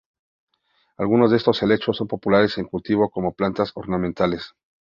Algunos de estos helechos son populares en cultivo como plantas ornamentales.